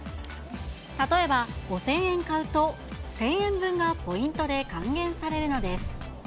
例えば、５０００円買うと１０００円分がポイントで還元されるのです。